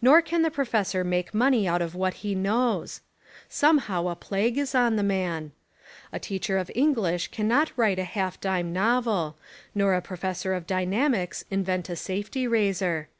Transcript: Nor can the professor make money out of 32 The Apology of a Professor what he knows. Somehow a plague Is on the man. A teacher of English cannot write a half dime novel, nor a professor of dynamics invent a safety razor.